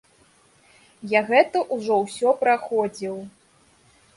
Я гэта ўжо ўсё праходзіў!